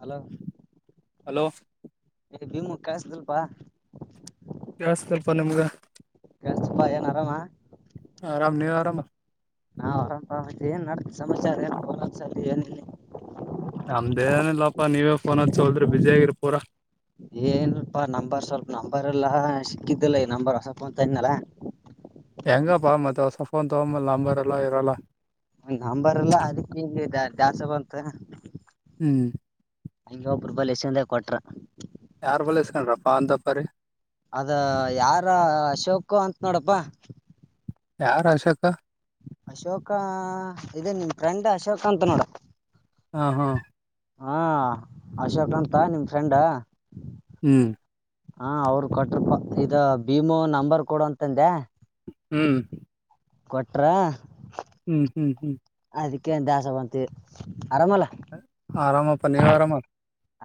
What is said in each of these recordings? Hello hello Bhima ಕಾಯಸ್ದಲ್ಪಾ ಕೇಳಿಸ್ತಪ್ಪ ನಿಮಗೆ ಕಸ್ತಿಪಾ ಏನ್ ಆರಾಮಾ ಆರಾಮ ನೀ ಆರಾಮ ಹಾ ಆರಾಮರಪ ಮತ್ತೆ ಏನ್ ನಡೆದ ಸಮಾಚಾರ ಸರಿನ ಎಲ್ಲಿ ನಮ್ದೇ ಏನಿಲ್ಲಪ್ಪ ನೀವೇ ಫೋನ್ ಅಚ್ಚವಲ್ರಿ ಬಿಜಿ ಆಗಿರ್ ಪೂರಾ ಏನ್ಲ್ಪ ನಂಬರ್ ಸ್ವಲ್ಪ ನಂಬರ್ ಎಲ್ಲಾ ಸಿಕ್ಕಿದ್ದಲ್ಲ ಈ ನಂಬರ್ ಹೊಸ ಫೋನ್ ತಂದಿನಲ್ಲ ಹೆಂಗಪ್ಪಾ ಮತ್ತ ಸಫೋನ್ ತಗೊ ಮ ಲಾಂಬರ್ ಎಲ್ಲ ಇರಲ್ಲ ನಂಬರ್ಲ್ಲಾ ಅದಿಕ್ಕೆ ಜಾಸ್ ಬಂರುತ ಹ್ಮ್ ನಮನೆಂಬಲಿ ಏಷಿಯನ್ದ ಕ್ವಾಟರ ಯಾರ್ ಬಲಸ್ಕೊಂಡ್ರಪ್ಪಾ ಅಂತಪ್ಪರಿ ಅದ ಯಾರ ಅಶೋಕ ಅಂತ ನೋಡಪ್ಪಾ ಯಾರ ಅಶೋಕ ಅಶೋಕ ಇದೆ ನಿನ್ ಫ್ರೆಂಡ್ ಅಶೋಕ ಅಂತ ನೋಡು ಹಾ ಹಾ ಹಾ ಅಶೋಕ ಅಂತ ನಿಮ್ ಫ್ರೆಂಡ ಹ್ಮ್ ಹಾ ಅವರು ಕೊಟ್ಟ್ರಪ ಇದ ಭೀಮೋ ನಂಬರ್ ಕೊಡ ಅಂತಂದೆ ಹ್ಮ್ ಕೊಟ್ರರು ಹ್ಮ್ ಹ್ಮ್ ಹ್ಮ್. ಅದಕ್ಕೆೇ ದಾಸರ ಅಂತೀವಿ. ಆರಾಮಪ್ಪ ನೀವು ಆರಾಮ.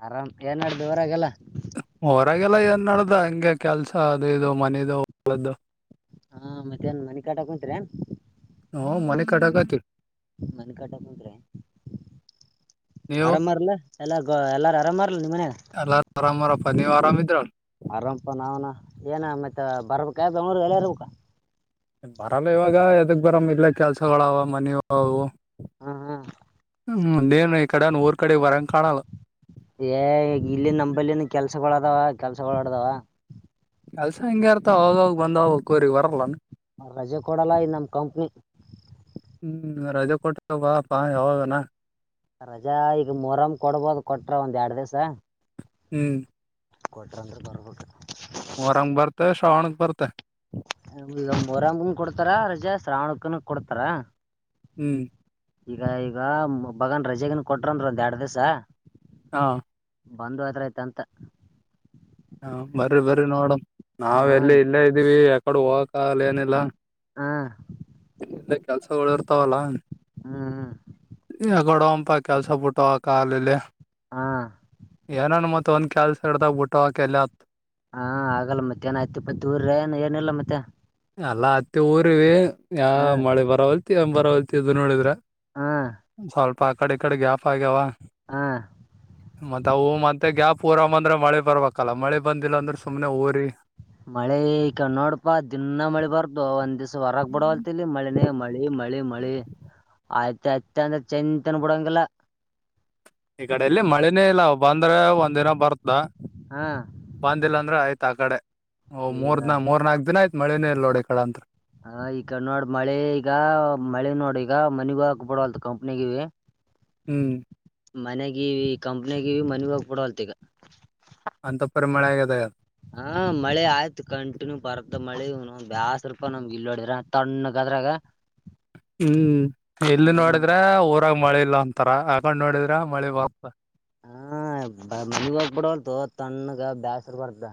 ಆರಾಮ್ ಏನ್ ಮಾಡದ ಊರಗೆಲ್ಲಾ. ಹೊರಾಗಲ್ಲ ಏನ್ ಮಾಡದ ಹಂಗೆ ಕೆಲ್ಸ ಅದು ಇದು ಮನೇದು ಹೊಲದು. ಹಾ ಮತ್ತ್ಯಾನ್ ಮನಿ ಕಟ್ಟಕ ಕುಂತ್ರೇನ. ಹೂ ಮನೆ ಕಟ್ಟಕತಿವಿ. ಮನೆ ಕಟಕುಂತ್ರೆ ಆರಾಮಾರಲ್ಲ. ಎಲ್ಲ ಎಲ್ಲಾರ ಆರಾಮ. ಎಲ್ಲರು ಆರಾಮರ್ ನೋಡ್ ಪ ನೀವು ಆರಾಮ ಇದ್ರ. ಆರಂಪ ನಾವ್ನ ಏನ ಮತ್ತೆ ಬರ್ಬೇಕ ಬೆಂಗಳೂರು ಎಳ ಇರ್ಬೇಕ. ಬರಲ್ಲ ಇವಾಗ ಎದಕ್ ಬರಮ ಇಲ್ಲ ಕೆಲ್ಸಗಳಾವ ಮನೆಯವು. ಹ್ಮ ಹ್ಮ ಹ್ಮ, ನೇನು ಇ ಕಡ ಊರು ಕಡೆ ವರಂ ಕಾಣಾಲಲ್ಲ ಏ ಇಲ್ಲಿ ನಂಬಲ್ಲಿ ಕೆಲ್ಸಗಳದಾವ ಕೆಲ್ಸಗಳಳಾಡದಾವ ಕೆಲ್ಸ ಹಿಂಗಗೆ ಇರ್ತ ಹೋಗೋಗ್ ಬಂದವ ಕೋರಿಗ್ ಬರಲ್ಲಾನ. ರಜೆ ಕೊಡಲ್ಲ ಇದನಮ್ಮ ಕಂಪ್ನಿ, ಹ್ಮ್ ರಜೆ ಕೊಟ್ಟತ ಬಾ ಪಾ ಯಾವಾಗನಾ ರಜಾ ಈಗ ಮೊಹರಂ ಕೊಡ್ಬೋದು ಕೊಟ್ರ ಒಂದ್ ಎರಡ್ ದಿವ್ಸ. ಹ್ಮ್ ಕೊಟಾರ ಅಂದ್ರ ಬರಬುಟ್ಟ ವರಂಗ ಬರ್ತೆ ಶ್ರಾವಣಕ್ ಬರ್ತೆ ಗ ಮೋರಂಗನು ಕೊಡ್ತಾರ, ರಜಾ ಶ್ರಾವಣಕನ ಕೊಡ್ತಾರ, ಹ್ಮ್ ಈಗ ಈಗ ಬಗನ್ ರಜೆಗನ್ ಕೊಟ್ರನ್ ಒಂದ್ ಎರಡ್ ದಿವ್ಸ ಹಾ, ಬಂದು ಹೋದ್ರಾತಂತ. ಹ ಬರಿ, ಬರಿ ನೋಡಮ್, ಹಾ ನಾವ್ ಎಲ್ಲಿ ಇಲ್ಲೇ ಇದ್ದೀವಿ. ಕೊಡುವ ಕಾಲ ಏನಿಲ್ಲ [unintelligible] ಹಾಂ ಇಲ್ಲ ಕೆಲ್ಸಗಳುಇರ್ತಾವಲ್ಲಾ, ಹ್ಮ ಎಂಡಿ ಹೋಗಮಪ ಕೆಲ್ಸ ಬಿಟ್ಟ ಹೋಗಕ್ಕೆ ಹಾಗಲ್ಲ ಇಲ್ಲಿ. ಹಾ, ಏನನ್ ಮತ್ ಒಂದ್ ಕೆ್ಯಾಲ್ಸ [unintelligible] ಹಿಡ್ದಾಗ್ ಬಿಟ್ಟ ಹಕಲ್ಲತ್ ಹಾ, ಆಗಲ್ಲ ಮತ್ತೆ ಮಧ್ಯಾಹ್ನ ಆಯ್ತುಹತ್ತಿ -ಪತ್ತಿಉರಿರೇನ ಮತ್ತ, ಎಲ್ಲಾ ಅತ್ತು ಊರು ಯಾ ಹಾ ಮಳೆ ಬರಲ್ ಬರ ಪತು [unintelligible] ನೋಡಿದ್ರ ಹಾ ಒ ಸ್ವಲ್ಪ ಆ ಕಡೆ ಈ ಕಡೆ ಗ್ಯಾಪ್ ಆಗ್ಯಾವ. - ಹಾ, ಮತ್ತತ್ ಅವು ಮತ್ತೆ ಗ್ಯಾಪ್ೂರಾಮ್ ಅಂದ್ರೆ ಮಳೆ ಬರ್ಬೇಕಲ್ಲ ಮಳೆ ಬಂದಿಲ್ಲ ಅಂದ್ರೆ ಸುಮ್ನೆ ಊರಿ ಮಳೆ ಈ ಕ ನೋಡ್ ಪಾ ದಿನ್ನ ಮಳಿ ಬರ್ತೋ ಒಂದ ದಿವ್ಸ ಹೊರಗ ಬಿಡವಲ್ತಿಲ್ಲಿ ಮಳಿನೇ ಮಳಿ ಮಳಿ ಮ ಆಯ್ತ ಆಯ್ತ ಅಂದ್ರೆ ಚೆಂತನ ಬಿಡಂಗಲ್ಲ. ಈ ಕಡೆ ಇಲ್ಲಿ ಮಳನೇ ಇಲ್ಲ ಬಂದ್ರೆ ಒಂದಿನ ಬರ್ತ ದ ಹಾ ಬಂದಿಲ್ಲ ಅಂದ್ರೆ ಆಯ್ತು. [unintelligible] ಓ ಈಗ ಮೂರ್ ದ ಮೂರ್ ನಾಲ್ಕ್ ದಿನ ಆಯತು. ಮಳೆನೇಇಲ್ಲ ನೋಡ ಈಕಡೆ. ಹ ಈ ಕಣ ನೋಡ್ ಮಳೆ ಈಗ ಮಳೆ ನೋಡ ಈಗ ಮನಿಗೂ ಹೋಗಲಬರ್ವ್ಲತ ಕಂಪ್ನಿಗಿವ. ಹ್ಮ್. ಮನೆಗ ಕಂಪ್ನಿಗ ಮನಗ ಹೋಗ್ಬಡವಲ್ತ್ ಈಗ. ಅಂತ ಪರ ಮಳೆ ಆಗದ. ಇ ಮಳಿ ಇವನೌನ ಬ್ಯಾಸರ ಪಾ ನಮಗೆ ಇಲ್ಲೋಡಿದ್ರ ತಣ್ಣಗದ್ರಾಗ. ಹ್ಮ್. ಎಲ್ಲಿ ಹಾ ನೋಡಿದ್ರೆ ಊರಾಗ ಮಳಿ ಇಲ್ಲ ಅಂತಾರ. [unintelligible] ಹಾ ಬಂದಿದ್ದ ಬಿಡಾವಲ್ತ್ತೋ ತಣ್ಣಗ ಬ್ಯಾಸರ ಬರ್ತದ.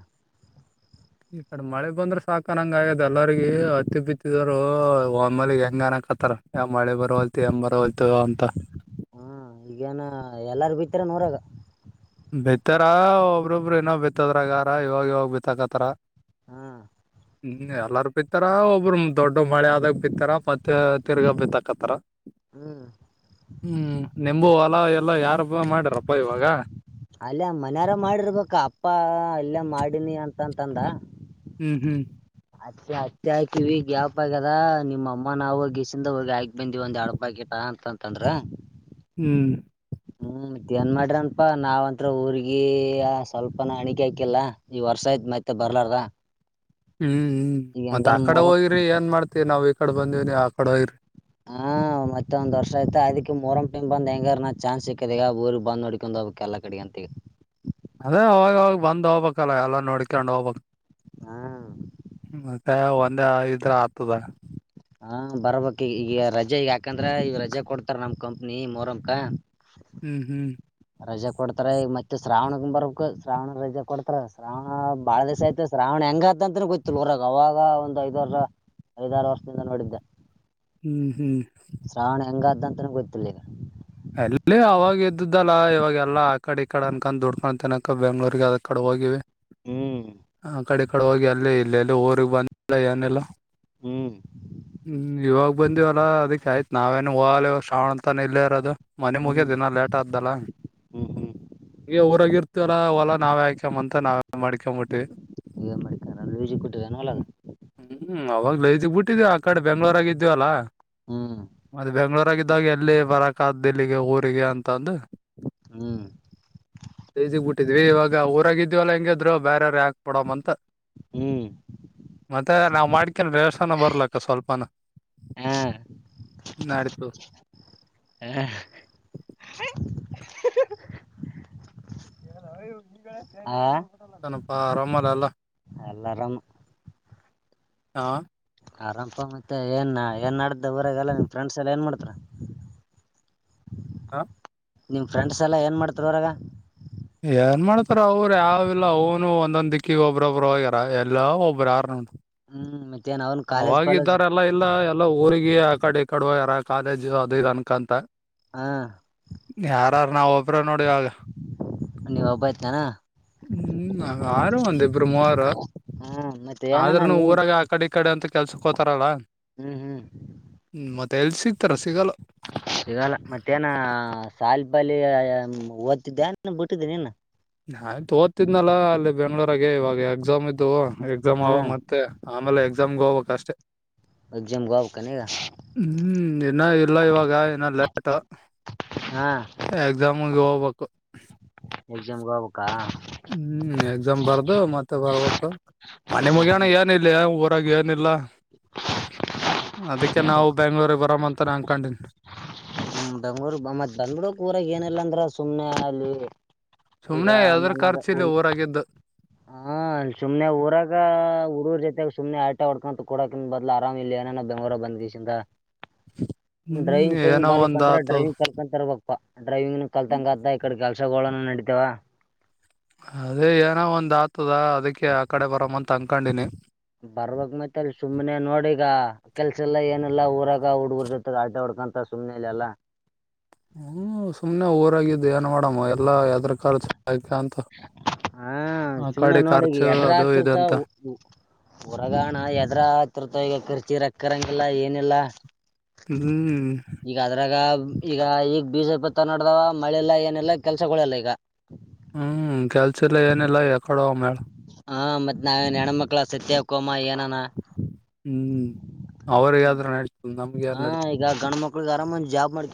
ಈ ಕಡೆ ಮಳೆ ಬಂದ್ರೆ ಸಾಕನಂಗ ಆಗ್ಯದ ಎಲ್ಲರಿಗ ಹತ್ತಿ ಬಿತ್ತಿದರು ಒಮ್ಮೇಗ್ ಹೆಂಗ ಅನಕ್ತ್ತಾರ ಯಾವ ಮಳೆ ಬರ್ವಾತ್ಲ. ಏನ್ ಬರವಲ್ತ ಅಂತ. ಹ್ಮ್ ಈಗೇನ ಎಲ್ಲಾರ ಬಿತ್ತ್ರ ನೂರಾಗ. ಬಿತ್ತಾರ ಒಬ್ಬ್ರೊಬ್ಬರು ಏನೋ ಬಿತ್ತದ್ರಗಾರ ಇವಾಗ ಇವಾಗ ಬಿತ್ತಕತ್ತಾರ. ಹ್ಮ್ ಹ್ಮ್ ಎಲ್ಲಾರೂ ಬಿತ್ತ ಇತ್ತರ ಒಬ್ಬ್ರ ದೊಡ್ಡ ಮಳೆ ಆದಾಗ ಬಿತ್ತಾರ ಮತ್ತೆ ತಿರ್ಗಾ ಬಿತ್ತಾಕ್ತ್ತರ. ಹ್ಮ್ ಹ್ಮ್ ನಿಂಬೂ ಹೊಲಾ ಎಸ್ ಎಲ್ಲ ಯಾರಬ್ಬ ಮಾಡಾರಪ್ಪ ಇವಾಗ. ಅಲ್ಲೇ ಮನ್ಯಾರ ಮಾಡಿರ್ಬೇಕ ಅಪ್ಪ ಅಲ್ಲ ಮಾಡಿನಿ ಅಂತಂತಂದ. ಹ್ಮ್ ಹ್ಮ್. ಹತ್ತಿ ಹತ್ತಿ ಹಾಕಿವಿ ಗ್ಯಾಪ್ ಆಗೇದ ನಿಮ್ಮ ಅಮ್ಮನ ಅವ್ವ ಗಸಿಂದ ಹೋಗಿ ಹಾಕಿ ಬಂದಿವಿ ಒಂದ್ ಎಡಪಕಿಟ ಅಂತಂತಂದ್ರ ಹ್ಮ್ ಹ್ಮ್ ಮತ್ ಏನ್ ಮಾಡ್ರನಪಾ ನಾವ್ಂತ್ರ ಊರ್ಗಿ ಸ್ವಲ್ಪನ ಹಣಿಕೆ ಹಾಕಿಲ್ಲ ಈ ವರ್ಷ ಆಯತ್ ಮತ್ತೆ ಬರ್ಲಾರದ. ಹ್ಮ್ ಹ್ಮ್ ಮತ್ತ್ ಆ ಕಡೆ ಹೋಗಿರಿ ಏನ್ ಮಾಡ್ತಿವಿ ನಾವು ಈ ಕಡೆ ಬಂದಿವಿ ಆ ಕೊಡವರಿ ಹಾ ಮತ್ತೊಂದ್ ವರ್ಷ ಆಯ್ತ ಅದಿಕ್ ಮೊರಂ ಟೈಮ್ ಬಂದ ಹೆಂಗರ್ ನ ಚಾನ್ಸ್ ಸಿಕ್ಕದ ಈಗ ಊರ್ ಬಂದ್ ನೋಡ್ಕೊಂಡ್ ಹೋಗ್ಬೇಕ್ ಎಲ್ಲಾ ಕಡೆಗಂತ ಈಗ. ಅದೇ ಅವಾಗ ಅವಾಗ ಬಂದ್ ಹೋಗ್ಬೇಕಲ್ಲ ಎಲ್ಲ ನೋಡ್ಕೊಂಡ ಹೋಗ್ಬೇಕ. ಮತ್ತ್ ಮುಂದೆ ಇದ್ರ ಆಗ್ತದ ಹಾ ಬರ್ಬೇಕ್ ಈ ಈಗ ರಜೆ ಈಗ ಯಾಕಂದ್ರೆ ಈ ರಜೆ ಕೊಡ್ತಾರ ನಮ್ ಕಂಪ್ನಿ ಮೊರಂ ಕ ಹ್ಮ್ ಹ್ಮ್ ರಜೆ ಕೊಡ್ತಾರೆ ಈಗ ಮತ್ತೆ. ಮತ್ತೆ ಶ್ರಾವಣಗೊಮ್ಮೆ ಬರಬೇಕು ಶ್ರಾವಣ ರಜೆ ಕೊಡ್ತಾರ ಶ್ರಾವಣ ಬಾಳ ದಿವಸ ಆಯ್ತ ಶ್ರಾವಣ ಹೆಂಗತ. ಇದಂತ್ರು ಗೊತ್ತಿಲ್ಲ ಊರಾಗ ಅವಾಗ ಒಂದ ಐದ್ ಆರು ವರ್ಷ ಐದಾರು ವರ್ಷದಿಂದ ನೋಡಿದ್ದೆ. ಹ್ಮ್ ಹ್ಮ್ ಶ್ರಾವಣ ಹೆಂಗಾದಂತನೂ ಗೊತ್ತಿಲ್ಲಗ. ಅಲ್ಲಿ ಅವಾಗ ಇದ್ದ್ದಲ್ಲ ಇವಾಗೆಲ್ಲಾ ಆ ಕಡೆ ಈ ಕಡೆ ಅನ್ಕೊಂಡ್ ದುಡ್ಕೊಂಡ ತಿನ್ನಕ ಬೆಂಗಳೂರಿಗೆ ಅದ ಕಡೆ ಹೋಗಿವಿ. ಹ್ಮ್ ಆಕಡೆ ಇಕಡೆ ಹೋಗಿ ಅಲ್ಲೇ ಇಲ್ಲೆ ಅಲ್ಲಿ ಊರಿಗೆ ಬಂದಲ್ಲ ಏನೆಲ್ಲ. ಹ್ಮ್ ಹ್ಮ ಇವಾಗ ಬಂದಿವಲ್ಲ ಅದಿಕ್ ಆಯ್ತ್ ನಾವೇನು ಹೋಗಲ್ಲ ಶ್ರಾವಣ ಅಂತ ಇಲ್ಲರೋದು. ಮನೆ ಹ್ಮ್ ಮುಗ್ಯದಿನ ಲೇಟ್ ಆದ್ದಲ್ಲ ಹ್ಮ್ ಹ್ಮ್ ಹ್ಮ್ ಈಗ ಊರಾಗಿ ಇರ್ತವಲ್ಲ ಹೊಲಾ ನಾವ್ ಯಾಕ್ಯಂತ ನಾವ. ಮಡಿಕ ಬಿ ಟ್ಟ ನೀನ್ ಮಾಡ ಯೂಜಿ ಕೊಟ್ಟಿದ್ದನು ಹೊಲದ ಲ್ಲ ಇದಗ್ ಬಿಟ್ಟಿದೀವ ಆ ಕಡೆ ಬೆಂಗಳೂರಗ ಇದಿದ್ಯವಲ್ಲ ಹ್ಮ್ ಇದ್ದಾಗ ಎಲ್ಲಿ ಬರಕ್ ಕಾದ್ದಲ್ಲಿಗೆ ಊರಿಗೆ ಅಂತಂದು ಹ್ಮ್ ರೇಜಗ್ಬಟ್ಟಿದ್ವಿ ಇವಾಗ ಈಗ ಊರಾಗಿದ್ವಲ್ಲ ಹೆಂಗ್ ಇದ್ರೂ ಬೆರೆವರಿಗೆ. ಪಡಂತ ಹ್ಮ್ ಮತ್ತ ನಾವ್ ಮಾಡ್ಕನ್ ವ್ಯವಸ್ಥೆ. ಚಂಜೆತನ ಬರ್ಲಕ್ಕ ಸ್ವಲ್ಪನ ಹಾ ನಡತು. ಹ ಹಾ ಏನಪ್ಪಾ ಆರಾಮ ಅಲ್ಲ ನಲ್ಲ ಅಲ್ಲಾರಂ ಹಾ ಆರಂಪ ಮತ್ತೆ ಏನ್ ಏನ್ ಮಾಡಡ್ದ ದವರಲ್ಲಫ್ರೆ್ಸ್ ಎ ನ್ ಮಾಡ ಹಾ ನಿಮ್ ಫ್ರೆಂಡ್ಸ್ ಎಲ್ಲಾ ಏನ್ ಮಾಡ್ತಾರೆ ಹೊರಾಗ ಏನ್ ಮಾಡ್ತಾರ ಅವರು ಯಾವಿಲ್ಲ ಅವನು ಒಂದೊಂದ್ ದಿಕ್ಕಿಗೆ ಒಬ್ಬ್ರೊಬ್ಬರು ಹೋಗ್ಯಾರ ಎಲ್ಲಾ ಒಬ್ಬ್ರ ಯಾರ ಉಂಟ ಹ್ಮ್ [inaudible] ಕಾಲೇಜ್ ಪಾಲೇಜ್ ಅವಾಗಿದ್ದಾರೆ ಎಲ್ಲಾ ಇಲ್ಲ ಎಲ್ಲ ಊರಿಗೆ ಆ ಕಡೆ ಕಡುವ ಯಾರ ಕಾಲೇಜ್ ಅದು ಅನ್ಕಂತ ಹಾ ಧರ್ ನೋಗ ನೋಡಿ ಆಗ ನೀವ್ ಒಬ್ಬ ಆಯ್ತಾನ ಹ್ಮ್ರು ಒಂದಿಬ್ರು ಮೂವರು ಹ್ಮ ಮತ್ತೆ ಏನಣ ಆದ್ರೂನು ನೀನ್ ಊರಾಗ ಆ ಕಡೆ ಅಂತ ಕೆಲ್ಸಕ್ ಹೋತಾರಲ್ಲಾ ಹ್ಮ್ ಹ್ಮ್ ತಲ್ಲಿ ಸಿಗ್ತಾರೆ ಸಿಗಲ್ಲ ಸಿಗಲ್ಲ ಮತ್ತೇನ ಸಾಲಿ ಬಾಲ ಓದ್ತಿದ್ದೆ ಬಿಟ್ಟಿದ್ದೆ ನೀನು ಆಯ್ತು ಓದ್ತಿದ್ನಲ್ಲಾ ಅಲ್ಲಿ ಬೆಂಗ್ಳೂರಾಗ ಇವಾಗ ಎಕ್ಸಾಮ್ ಇದ್ದವು ಎಕ್ಸಾಮ್ ಅವ ಹ್ಮ ಮತ್ತೆ ಆಮೇಲೆ ಎ್ ಜಮ್ಗೆ ಹೋಗಕ್ ಅಷ್ಟೆ ಎಕ್ಸಾಮ್ಗೆ ಹೋಗ್ಬೇಕಾನ ಈಗ ಹ್ಮ್ ಇನ್ನ ಇಲ್ಲ ಇವಾಗ ಇನ್ನ ಲೇಟ್ ಎಕ್ಸಾಮಗೆ ಹೋಗ ಒ ಎಕ್ಸಾಮ್ ಗ ಕ್ಕಾ ಹ್ಮ್ ಎಕ್ಸಾಮ್ ಬರ್ದು ಮತ್ತೆ ಬರ್ಬೇಕ ಮನೆ ಮುಗಿಯಣ ಏನ ಇಿಲ್ಲ ಾಗ ಏನಿಲ್ಲ ಅದಕ್ಕೆ ನಾವು ಬೆಂಗಳೂರಿಗೆ ಬರಂತ ಉತ್ತರಾಖಂಡ್ ಹ ಬೆಂಗ್ಳೂರ್ ಮತ್ ಬೆಂಗ್ೂರಕ್ ಊರಾಗ ಏನಿಲ್ಲ ಅಂದ್ರ ಸುಮ್ನೆ ಅಲ್ಲಿ ಈಗ ಸುಮ್ನೆ ಯಾದರ ಕಾರ್ ಚೀಲಿ ಊರಾಗಿದ್ದ ಹ ಸುಮನೆ ಊರಾಗ ಊರೂರ ಜೊತೆಾಗ ಸುಮನೆ ಆಟಾ ಹೊಡ್ಕೊಂತ ಕೊಡಕನ್ ಬದ್ಲು ಆರಾಮ್ ಇಲ್ಲಿ ಏನೇನೋ ಬೆಂಗ್ೂರ ಬಂದ್ೀಸಂತ ಹ್ಮ್ ಡ್ರೈವಿಂಗ್ ಫೈವಿಂಗ್ ಏನೋ ಒಂದ್ ಬರ್ಲಕಂತ್ರ ಆತು ಡ್ರೈವಿಂಗ್ ಕರ್ಕಂತರ್ ಬ ಪ್ಪ ಡ್ರೈಂಗ ನ ಕಲ್ತ ಕತ ಇಡೆ ಕ ವರ್ಷಗೋನು ನಡೀತವ ಅದೇ ಏನೋ ಒಂದ್ ಆತದ ಅದಕ್ಕೆ ಆ ಕಡೆ ಬರಮ್ಮ ಅಂತ ಅನ್ಕೊಂಡಿನಿ ಬರ್ಬಕ್ ಮತ್ತ ಅಲ್ಲಿ ಸುಮ್ಮ್ನೆ ನೋಡಿಗ ಕೆಲ್ಸ, ಇಲ್ಲ, ಏನಿಲ, ಊರಾಗ. [inaudible] ಹುಡುಗರು, ಜೊತೆ, ಅಲ್ಟಾ, ವಾದಧಿಕೊಂಡು. [inaudible] ಸುಮ್ನೆ, ಇಲ್ಲಿ, ಎಲ್ಲಾ? [inaudible] ಹ್ಮ್, ಸುಮ್ನೆ, ಊರಾಗಿ, ಇದು, ಏನು, ಮಾಡಮ್ಮ ಎಲ್ಲಾ, ಯಾದರು, ಕರ್ಚು. [inaudible] ಹಾ, ಆ ಸುಮ್ನೆ ಕಡೆ ನೋಡಿಗ! ಖರ್ಚು ಎದ್ರ ಅದು ಇದು ಅಂತ ಹಾಕಿರುತ್ತವು ಹೊರಗಣ, ಎದ್ರ ಹಾತಿರ್ತಾವ. ಈಗ ಕರ್ಚೀರ. [inaudible] ಕ್ಕರಂಗಿಲ್ಲ, ಏನಿಲ್ಲ? [inaudible] ಹ್ಮ್ ಈಗ, ಅದ್ರಾಗ ಈಗ, ಈಗ. [inaudible] ಬಿಜೆಪಿ, ತನಾಡ್ದಾವ, ಮಳೆಲ್ಲ ಏನೆಲ್ಲಾ ಕೆಲ್ಸಗಳೆಲ್ಲ ಈಗ. [inaudible] ಹ್ಮ್, ಕೆಲ್ಸಲ್ಲ, ಏನಿಲ್ಲ ಯಾಕಡೇ, ಹೋಗುಮ, ಹೇಳು. [unintelligible] ಹ, ಮತ್ ನಾವೇ ಹೆಣ್ಮಕ್ಳ ಸತ್ಯವ್ ಕೋಮ. [inaudible] ಹ್ಮ್, ಅವ್ರಾದರೂ, ನಡ್ತ. [unintelligible] ಹಾ, ಈಗ, ಗಂಡುಮಕ್ಕಳು. [inaudible] ಫುಲ್, ಆರಾಮಂದ, ಜಾಬ್ ಮಾಡ್.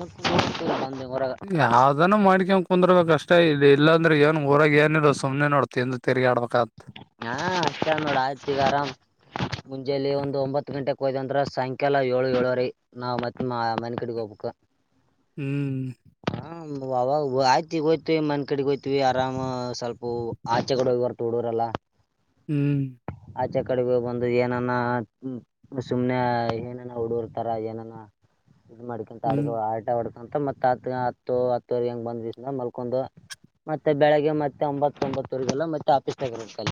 [inaudible] ಯಾವ್ದಾನ, ಮಾಡ್ಕ, ಕುಂದರ್ಬೇಕಕ್, ಅಷ್ಟ ಇಲ್ಲಿ. [inaudible] ಇಲ್ಲಾಂದ್ರೆ, ಏನ್ ಊರ ಏನಿಲ್ಲೋ ಸುಮ್ಮನೆ ನೋಡ್ ತಿಂದು, ತಿರಗಾಡಬೇಕು, ಹಾಗುತೇ. [inaudible] ಹಾ, ಅಷ್ಟೇ ನೋಡು, ಆಯ್ತಗ ಆರಾಮ್ ಮುಂಜೆಯಲ್ಲಿ ಒಂದ್ ಒಂಬತ್ ಗಂಟೆಕ್ ಹೋ್ದಂದ ಸಂಖಕ್ಯ ಎಲ್ಲ ಏಳು ಏಳ್ರೀ ನಾವ್ ಮತ್, ಮಾ ಮನೆ ಕಡೆಗೆ ಹೋಗಬೇಕು. [inaudible] ಹ್ಮ್... [inaudible] ಹ್ಮ್ಮ್ ಅವಾಗ,, ಆಯ್ತಿ ಹೋಯ್ತಿವಿ, ಮನ್ ಕಡೆ ಹೋಯ್ತತಿವಿ. ಆರಾಮ ಸ್ವಲ್ಪ ಆಚೆ ಕಡೆ ಹೋಗಿ ಬರ್ತ ಹುಡುಗರೆಲ್ಲಾ? [inaudible] ಹ್ಮ್... [inaudible] ಆಚೆ, ಕಡೆಗೆ ಬಂದು, ಏನಾನ ಸುಮ್ನೆ ಏನನ ಹುಡುರ್ತಾರ, ಏನಾನ? [inaudible] ಇದು, ಮಾಡಿಕೊಂಡು, ಕಾಡಿಗೆ, ಹ್ಮ್ ಹೋಗಿ, ಅಲ್ಲಟೆ ವಾದಧಿಕೊಂಡು. [inaudible] ಅಂತ, ಮತ್ತ, ಹತ್ ಹತ್ತು ಹತ್ತುವರೆಗೆ, ಹೆಂಗಗೆ ಬಂದ್, ಮತ್ತೆ, ಮಲ್ಕೊಂಡು ಮತ್ತೆ ಬೆಳಿಗ್ಗೆ ಮತ್ತೆ ಒಂಬತ್ತೊಂಬತ್ತವರೆಗೆಲ್ಲ ಮತ್ತೆ ಆಫೀಸ್ನಾಗ, ಏರುಬೇಕುಳಿ. [inaudible]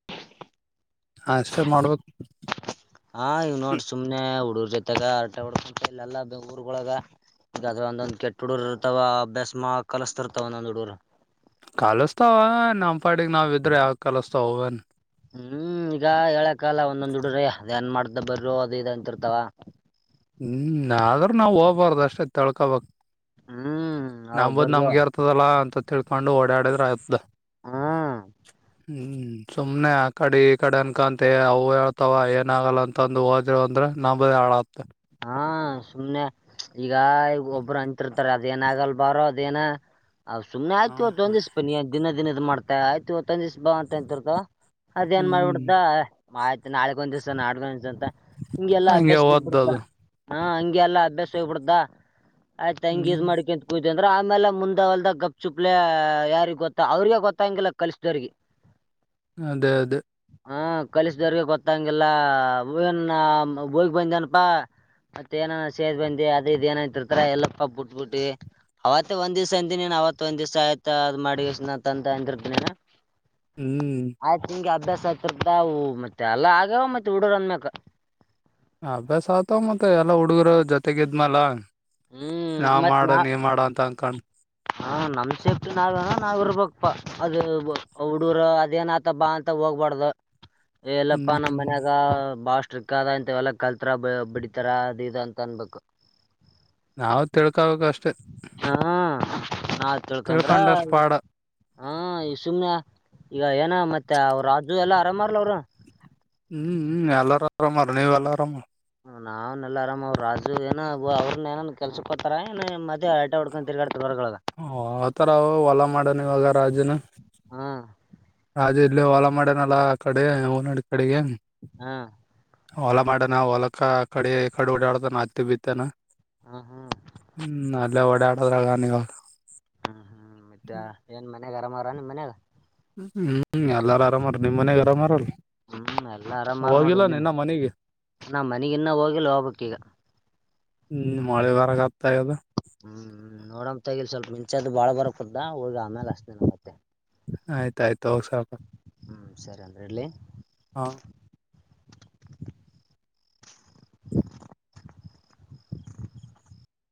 ಹಾ, ಅಷ್ಟೇ, ಮಾಡ್ಬೇಕು. [inaudible] ಹಾ, ಇವ್ ನೋಡ್ರ, ಸುಮ್ನೆ ಹುಡುಗರ್ ಜೊತೆಗ ಆಟ ಹೊಡ್ಕಂತ, ಇಲ್ಲ ಎಲ್ಲಾ ಊರ್ಗಳೊಳಗಗ ಅದ್ರ ಒಂದೊಂದ್, ಕೆಟ್ಟ ಹುಡೂರ್ ಇರ್ತವ ಅಭ್ಯಾಸ ಮಾಡ ಕಲಸ್ತಿರ್ತಾವ! ಒಂದೊಂದ್ ಹುಡಗರ್. [inaudible] ಕಲಸ್ತಾವ, ನಮ್ಮ ಪಾಟಿಗೆ ನಾವ ಇದಿದ್ರೆ ಯಾವು, ಕಲಸ್ತಾವನ್. [inaudible] ಹ್ಮ್, ಈಗ ಹೇಳ? [inaudible] ಕಾಲ, ಒಂದೊಂದು, ಹುಡುಗರಾಯ. [inaudible] ಅ, ಏನ್ ಮಾಡ್ದ, ಬಾರೋ, ಅದು ಇದು ಅಂತಿರ್ತಾವ? [inaudible] ನೋಡುಬರ್ಧು ಅಷ್ಟೇ, ತಾಳಿಕೊಂಡು ಬಿಡಬೇಕು? ಹ್ಮ್ [inaudible] ಅವ್ ನಂಬದು, ಬರ್ರೋ ನಮ್ಗೆ ಇರ್ತದಲ್ಲ ಅಂತ. [inaudible] ತಿಳ್ಕೊಂಡು, ಓಡಾಡೋರಾಯ್ತದ. [inaudible] ಹಾ... [inaudible] ಹ್ಮ್, ಸುಮ್ನೆ ಆ ಕಡೆ ಈ ಕಡೆ ಅನ್ಕಂತ ಅವು ಹೇಳ್ತಾವ ಏನ ಆಗಲ್ಲ ಅಂತಂದು ಹೋದರು ಅಂದ್ರೆ ನಂಬದ ಹಾಳತ್ತ. [inaudible] ಹಾ, ಸುಮ್ನೆ ಈಗ ಈಗ ಒಬ್ಬರು ಅಂತಿರ್ತಾರೆ ಅದೇನ, ಆಗಲ್ ಬಾರೋ ಅದೇನ? [inaudible] ಅವರು, ಸುಮ್ನೆ, ಇವತ್ತು, ಒಂಡ್ಡಿವಾಶ ಬಾನಿ ದಿನ ದಿನ, ಇದು ಮಾಡುತ.. [inaudible] ಊಟ, ಆಯ್ತು, ಇವತ್ತು. [inaudible] ಇವತ್ತು, ಒಂದುಧೇವಾಸ್ಹ, ಬಾ, ಅಂತರ್ತ ಅದೇಏನ್ ಹ್ಮ್ ಮಾಡ್ಬಿಡ್ದ. [inaudible] ಮ... [inaudible] ನಾಳಕ ಒಂದು ದಿವ್ಸ ನಾಡ್ಕ, ಒಂದುಡ್ಧೇವಶ ಅಂತ ನಿಮಗೆಲ್ಲ ಹಂಗೆ ಅಭ್ಯಾಸ, ಬಿಟ್ಟು, ಬಿಡುತ್ತೆ. ಓದ್ದದು [inaudible] ಹಾ ಎಲ್ಲಾ ಅಭ್ಯಾಸ ಹೋಗ್ಬಿಡ್ದಾ ಆಯ್ತ ಹಂಗ ಇ ಹ್ಮ್ ಮಾಡ್ಕಂತ ಅಂದ್ರ ಆಮೇಲೆ ಮುಂದಲ್ದ ಗಪ್ ಚುಪ್ಲೆ ಯಾರಿಗ್ ಗೊತ್ತ ಅವ್ರಗ ಗೊತ್ತ ಹಂಗಿಲ್ಲ ಕಲ್ಸಿದವ್ರಿಗೆ ಅದೇ ಅದೇ ಹ ಕಲಿಸ್ದವ್ರರಿಗೆ ಗೊತ್ತಂಗಿಲ್ಲ ನ್ ಬಯ್ಗೆ ಬಂದೇನಪ್ಪಾ ಮತ್ತ ಏನ ಸೇದ್ ಬಂದಿ ಅದ ಇದ್ ಏನಾಯ್ತಿರ್ತಾರ ಎಲ್ಲಪ್ಪ ಬಿಟ್ಬಿಟ್ಟಿ ಅವತ್ತೇ ಒಂದ್ ದಿವ್ಸ ಅಂತಿನಿನ ಅವತ್ ಒಂದ ದಿವ್ಸ ಆಯ್ತ ಅದ್ ಮಾಡಿಂತ ಅಂದಿರ್ತನನ ಹ್ಮ್ ಆಯ್ತು ನಿಮ್ಗೆ ಅಭ್ಯಾಸ ತ್ರತಾವು ಮತ್ತೆ ಅಲ್ಲ ಆಗ್ಯಾವ ಮತ್ತೆ ಹಡರ್ ಅನ್ಮಕ್ ಅಭ್ಯಾಸ ಆತವ ಮತ್ ಎಲ್ಲಾ ಹುಡುಗರು ಜೊತೆಗಿದ್ಮಲ ಹ್ಮ್ ನಾವ್ ಮಾಡು ನೀ ಮಾಡೋ ಅಂತ ಅನ್ಕೊಂಡ ಹ ನಮ ಸೇಫ್ಟಿ ನಾವನ ನಾವ್ ಇರ್ಬಕ್ಪ್ಪ ಅದು ಹಡರು ಅದೇನ ಆತ ಬಾ ಅಂತ ಹೋಗ್ಬಾರ್ದ ಹ್ಮ್ ಎಲ್ಲಪ್ಪಾ ನಮ್ಮ್ ಮನ್ಯಾಗ ಭಾಷ ಸ್ಟ್ರಿಕ್ ಆದ ಅಂತವೆಲ್ಲ ಕಲ್ತಾರ ಬಿಡಿತಾರ ಅದು ಇದು ಅಂತ ಅನ್ಬೇಕು ನಾವ್ ತಿಳ ತಿಳ್ಕೋಬೇಕು ಅಷ್ಟೆ ಹಾ ನಾ ತಿಳ್ಕಂದ್ರ ಹ ಈ ಸುಮ್ನೆ ಈಗ ಏನ ಮತ್ತೆ ಅವ ರಾಜು ಎಲ್ಲ ಮಾರ ಲ ಅವರ ಹ್ಮ್ ಎಲ್ಲಾರ ಆರಾಮಾರ ನೀವ್ ಎಲ್ಲರಾಮ ನಮಲ್ಲ ಆರಾಮ ಅವ್ ರಾಜು ಏ ಅವ್ರರು ನನ್ ಕೆಲ್ಸ ಕೊತಾರಏ ಮದೆ ಆಟಾ ಹುಡ್ಕೊಂಡ ತಿಗಾ ಹ ಆತರ ಅವ ಹೊಲಾ ಮಾಡನ್ ಇವಾಗ ರಾಜನು ಹಾ ಅಜ ಇಲ್ಲಿ ಹಲಾ ಮಾಡನಲ್ಲ ಆ ಕಡೆ ಓಡಿ ಕಡೆಗೆ ಹ್ಮ್ ಹೊಲಾ ಮಾಡನ ಹೊಲಕ್ಕ ಕಡೆ ಕಡೆ ಓಡಾಡತಾನ ಆತಿ ಬಿತ್ತಾನ ಹ್ಮ್ ಹ್ಮ್ ಹ್ಮ್ ನಲ್ಲ ಓಡಾ ಬದಗ ನಿಗಳು ಹ್ಮ್ ಹ್ಮ್ ಮತ್ತ ಏನ್ ಮನ್ಯಾಗ ಆರಾಮಾರ ನಿಮ್ ಮನ್ಯಾಗ ಹ್ಮ್ ಎಲ್ಲಾರು ಆರಾಮ್ಅವ್ರೇ ಮನೆ ಗರಾಮಾರ ಹೋಲ್ ಹ್ಮ್ ಎಲ್ಲಾ ಆರಾಮ್ರ ನೋಡಿ ಇಲ್ಲಿೇನ ಮನೆಗೆ ನಾ ಮನಗ ಇನ್ನ ಹೋಗಿಲ್ಲ ಹೋಗ್ಬಕ್ ಈಗ ಹ್ಮ್ ಮೊಳೆ ಬಾರಗೆ ಆಗ್ತಾ ಇದು ಹ್ಮ್ ನೋಡಮ್ಮ ತಗಲಿ ಸ್ವಲ್ಪ ಮಂಚ್ದ್ ಬಾಳ ಬರಕುದದ ಹುಗ ಆಮೇಲೆ ಅಷ್ಟತೇ ನ ಮತ್ತೆ ಆಯ್ತಾಯ್ತು ಉಷರಪ್ಪ ಹ್ಮ್ ಸರಿ ಅಂದ್ರೆ ಇಡ್ಲಿ ಹಾ ಹ್ಮ